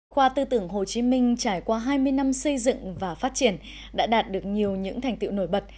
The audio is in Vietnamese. khoa tư tưởng hồ chí minh trải qua hai mươi năm xây dựng và phát triển đã đạt được nhiều những thành tiệu nổi bật